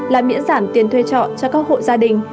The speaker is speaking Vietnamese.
là miễn giảm tiền thuê trọ cho các hộ gia đình